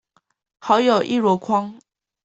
好友一籮筐